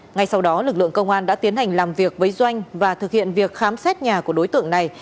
ngay sau đó lực lượng công an đã tiến hành làm việc với doanh và thực hiện việc khám xét nhà của đối tượng này